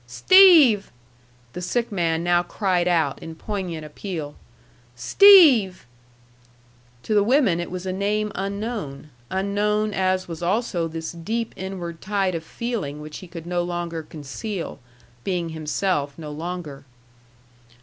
"Steve!" the sick man now cried out, in poignant appeal. "Steve!" To the women it was a name unknown, unknown as was also this deep inward tide of feeling which he could no longer conceal, being himself no longer.